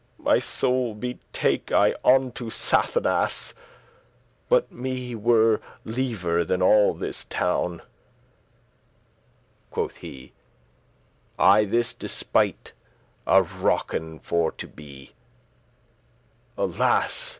My soul betake I unto Sathanas, But me were lever* than all this town," quoth he *rather I this despite awroken* for to be. *revenged Alas!